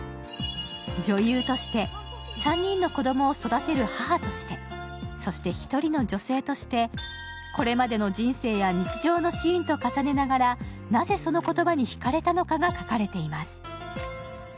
女優として３人の子供を育てる母としてそして１人の女性としてこれまでの人生や日常のシーンと重ねながら、なぜその言葉にひかれたのかが書かれています。